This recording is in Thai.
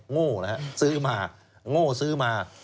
โง่นะฮะซื้อมาโง่ซื้อมา